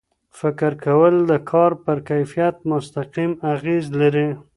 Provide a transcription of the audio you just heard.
فکر کول د کار پر کیفیت مستقیم اغېز لري.